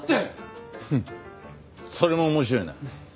フンそれも面白いな。